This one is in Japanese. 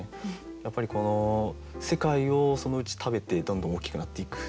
やっぱり世界をそのうち食べてどんどん大きくなっていく。